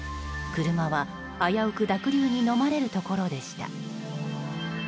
車は危うく濁流にのまれるところでした。